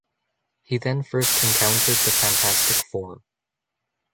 He then first encountered the Fantastic Four.